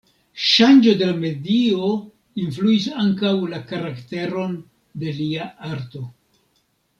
Ŝanĝo de la medio influis ankaŭ la karakteron de lia arto.